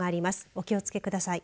お気をつけください。